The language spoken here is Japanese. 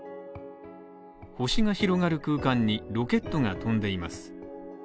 星が広がる空間にロケットが飛んでいます。